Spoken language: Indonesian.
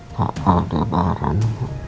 bapak di barang